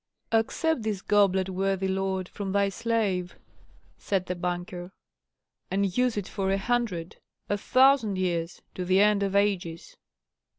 "Accept this goblet, worthy lord, from thy slave," said the banker, "and use it for a hundred, a thousand years, to the end of ages."